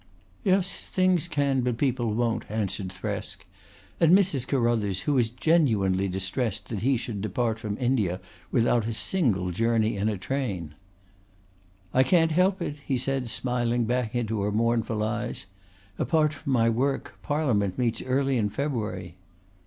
"Yes, things can, but people won't," answered Thresk, and Mrs. Carruthers was genuinely distressed that he should depart from India without a single journey in a train. "I can't help it," he said, smiling back into her mournful eyes. "Apart from my work, Parliament meets early in February."